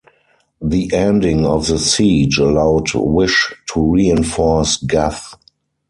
The ending of the siege allowed Whish to reinforce Gough.